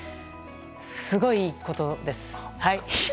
すごいことです。